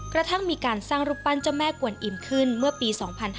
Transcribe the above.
กระทั่งมีการสร้างรูปปั้นเจ้าแม่กวนอิ่มขึ้นเมื่อปี๒๕๕๙